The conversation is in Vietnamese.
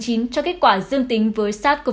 cho kết quả dương tính với sars cov hai